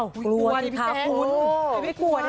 กลัวนี่คะคุณไม่ได้กลัวนะ